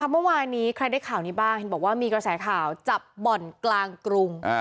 เมื่อวานนี้ใครได้ข่าวนี้บ้างเห็นบอกว่ามีกระแสข่าวจับบ่อนกลางกรุง